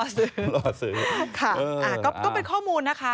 ใช่ครับ